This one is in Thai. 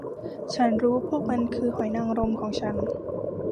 ฉันรู้พวกมันคือหอยนางรมของฉัน